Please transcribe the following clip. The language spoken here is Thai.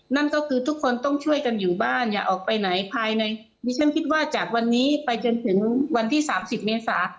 นั่นก็คือทุกคนต้องช่วยกันอยู่บ้านอย่าออกไปไหนภายในดิฉันคิดว่าจากวันนี้ไปจนถึงวันที่๓๐เมษา